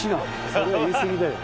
それは言い過ぎだよ。